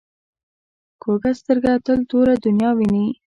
کوږه سترګه تل توره دنیا ویني